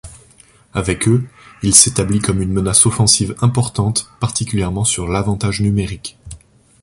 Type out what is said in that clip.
Avec eux, il s'établit comme une menace offensive importante, particulièrement sur l'avantage numérique.